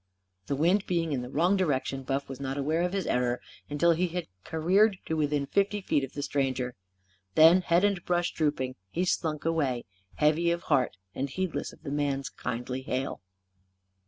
The wind being in the wrong direction, Buff was not aware of his error until he had careered to within fifty feet of the stranger. Then, head and brush drooping, he slunk away, heavy of heart and heedless of the man's kindly hail.